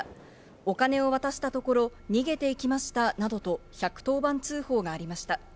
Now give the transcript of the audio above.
お金を渡したところ逃げていきましたなどと１１０番通報がありました。